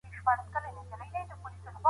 ډېري پخوانۍ ودانۍ په جګړو کي ویجاړي سوي.